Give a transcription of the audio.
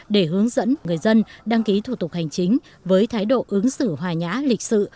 để hướng dẫn người dân đăng ký thủ tục hành chính với thái độ ứng xử hòa nhã lịch sự